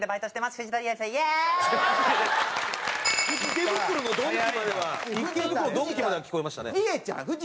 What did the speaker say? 「池袋のドンキ」までは「池袋のドンキ」までは聞こえましたね。